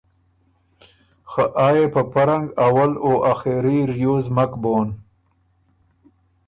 خه آ يې په پۀ رنګ اول او اخېري ریوز مک بون،